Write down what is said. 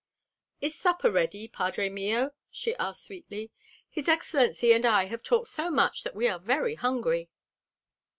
"Is supper ready, padre mio?" she asked sweetly. "His excellency and I have talked so much that we are very hungry."